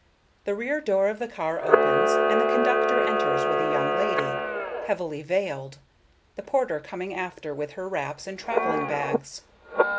The rear door of the car opens, and the conductor enters with a young lady, heavily veiled, the porter coming after with her wraps and travelling bags.